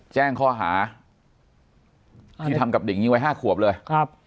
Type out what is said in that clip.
แจ้งข้อหาที่ทำกับเด็กหญิงวัย๕ขวบเลยครับ